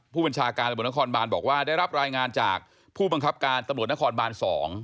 ผู้บัญชาการตำรวจนครบานบอกว่าได้รับรายงานจากผู้บังคับการตำรวจนครบาน๒